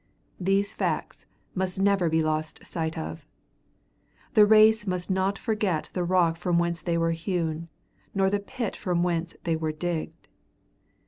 These facts must never be lost sight of. The race must not forget the rock from whence they were hewn, nor the pit from whence, they were digged.